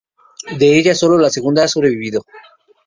De ellas sólo la segunda ha sobrevivido.